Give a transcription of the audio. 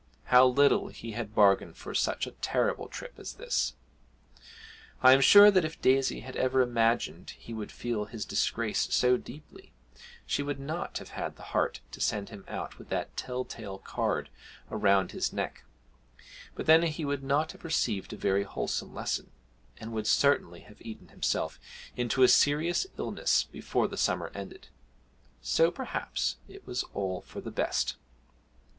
How little he had bargained for such a terrible trip as this! I am sure that if Daisy had ever imagined he would feel his disgrace so deeply she would not have had the heart to send him out with that tell tale card around his neck; but then he would not have received a very wholesome lesson, and would certainly have eaten himself into a serious illness before the summer ended, so perhaps it was all for the best.